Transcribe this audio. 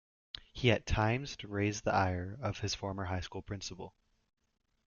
He at times raised the ire of his former high school principal.